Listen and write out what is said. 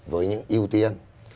với những ưu tiên